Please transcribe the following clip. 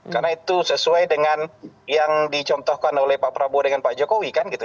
karena itu sesuai dengan yang dicontohkan oleh pak prabowo dengan pak jokowi kan gitu